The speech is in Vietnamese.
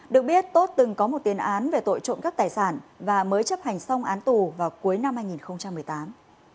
được biết tốt từng có một tiền án về tội trộm cắp tài sản và mới chấp hành xong án tù vào cuối năm hai nghìn một mươi tám